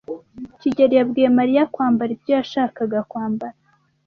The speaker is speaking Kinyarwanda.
kigeli yabwiye Mariya kwambara ibyo yashakaga kwambara.